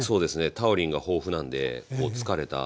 タウリンが豊富なんで「疲れた。